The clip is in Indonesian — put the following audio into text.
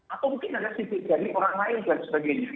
atau mungkin ada sidik jari orang lain dan sebagainya